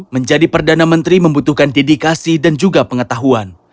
menjadi perdana menteri membutuhkan dedikasi dan juga pengetahuan